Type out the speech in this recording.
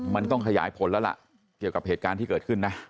มันต้องขยายผลแล้วล่ะเกี่ยวกับเหตุการณ์ที่เกิดขึ้นนะ